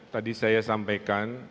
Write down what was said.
tadi saya sampaikan